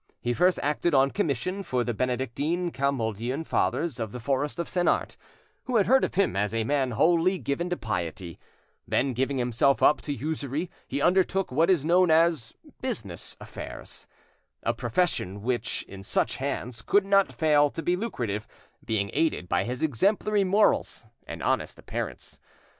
He first acted on commission for the Benedictine Camalduian fathers of the forest of Senart, who had heard of him as a man wholly given to piety; then, giving himself up to usury, he undertook what is known as "business affairs," a profession which, in such hands, could not fail to be lucrative, being aided by his exemplary morals and honest appearance.